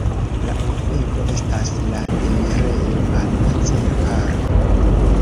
La urbego estas la enirejo al Nacia Parko.